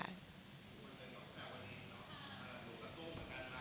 ทุกคนเจอกับแปลวันนี้เนอะ